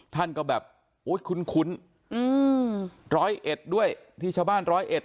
ท่านก็แบบโอ้ยคุ้นอืมร้อยเอ็ดด้วยที่ชาวบ้านร้อยเอ็ด